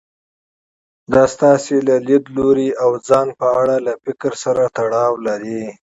دا ستاسې له ليدلوري او ځان په اړه له فکر سره تړاو لري.